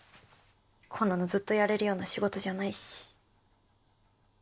こんなのずっとやれるような仕事じゃないし。